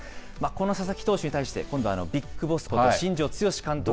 この佐々木投手に対して、今度はＢＩＧＢＯＳＳこと新庄剛志監督